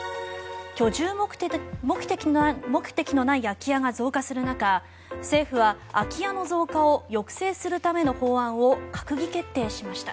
居住目的のない空き家が増加する中政府は空き家の増加を抑制するための法案を閣議決定しました。